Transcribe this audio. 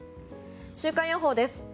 週間予報です。